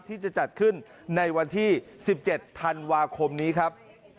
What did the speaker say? ที่จะจัดขึ้นในวันที่๑๗ธันวาคมนี้ครับ